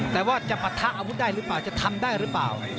แต่ว่าจะปะทะอาวุธได้หรือเปล่าจะทำได้หรือเปล่า